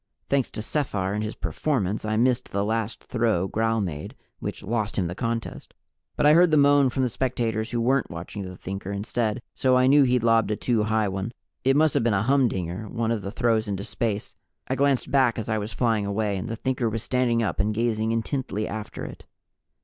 Thanks to Sephar and his performance, I missed the last throw Gral made, which lost him the contest. But I heard the moan from the spectators who weren't watching the Thinker instead, so I knew he'd lobbed a too high one. It must have been a humdinger one of the throws into space. I glanced back as I was flying away, and the Thinker was standing up and gazing intently after it.